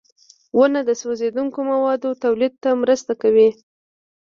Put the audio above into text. • ونه د سوځېدونکو موادو تولید ته مرسته کوي.